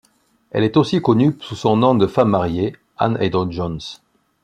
Elle est aussi connue sous son nom de femme mariée, Ann Haydon-Jones.